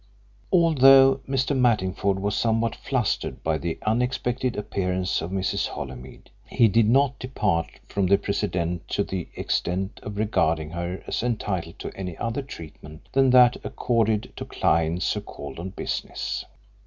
Although Mr. Mattingford was somewhat flustered by the unexpected appearance of Mrs. Holymead, he did not depart from precedent to the extent of regarding her as entitled to any other treatment than that accorded to clients who called on business.